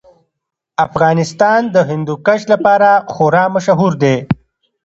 افغانستان د هندوکش لپاره خورا مشهور دی.